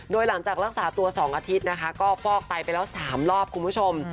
โดยหลังจากรักษาตัว๒อาทิตย์นะคะก็ฟอกไตไปแล้ว๓รอบคุณผู้ชม